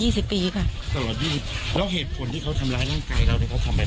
เฮ้ยไปทำทำไม